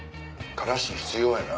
からし必要やな。